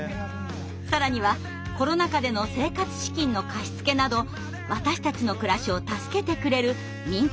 更にはコロナ禍での生活資金の貸し付けなど私たちの暮らしを助けてくれる民間団体なんです。